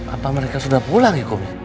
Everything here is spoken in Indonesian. apa mereka sudah pulang ya komi